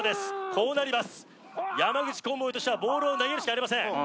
こうなります山口コンボイとしてはボールを投げるしかありません